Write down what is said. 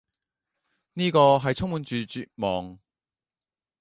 呢個係充滿住絕望